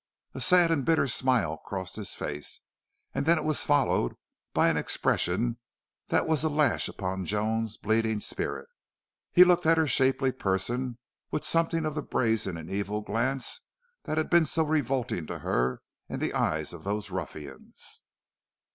A sad and bitter smile crossed his face; and then it was followed by an expression that was a lash upon Joan's bleeding spirit. He looked at her shapely person with something of the brazen and evil glance that had been so revolting to her in the eyes of those ruffians.